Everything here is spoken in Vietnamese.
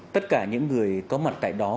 tất cả những người có mặt tại đó